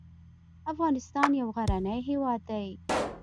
افغانستان يو غرنی هېواد دی.